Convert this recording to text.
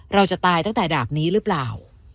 เราจะตายตั้งแต่ดาบนี้หรือเปล่า